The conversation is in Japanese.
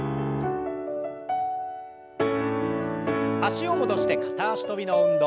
脚を戻して片脚跳びの運動。